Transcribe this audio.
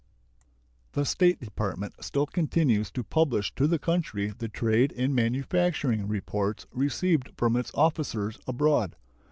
The State Department still continues to publish to the country the trade and manufacturing reports received from its officers abroad.